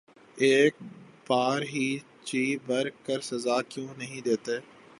اک بار ہی جی بھر کے سزا کیوں نہیں دیتے